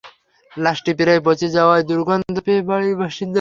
লাশটি প্রায় পচে যাওয়ায় দুর্গন্ধ পেয়ে বাড়ির বাসিন্দারা পুলিশকে খবর দেন।